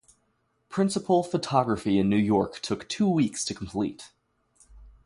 Principal photography in New York took two weeks to complete.